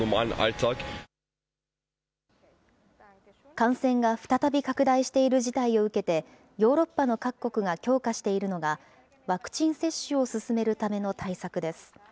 感染が再び拡大している事態を受けて、ヨーロッパの各国が強化しているのが、ワクチン接種を進めるための対策です。